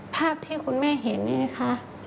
ภาพที่คุณแม่เห็นนี่ไงคะ